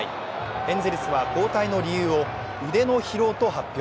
エンゼルスは交代の理由を腕の疲労と発表。